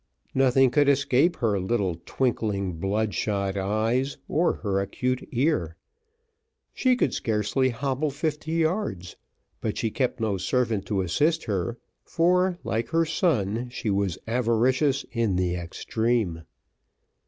Nothing could escape her little twinkling bloodshot eyes, or her acute ear; she could scarcely hobble fifty yards, but she kept no servant to assist her, for, like her son, she was avaricious in the extreme.